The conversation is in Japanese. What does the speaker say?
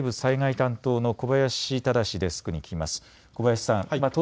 では社会部災害担当の小林直デスクに聞きます。